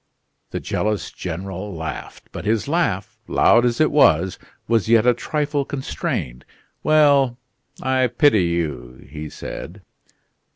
The jealous General laughed; but his laugh, loud as it was, was yet a trifle constrained. "Well, I pity you," he said.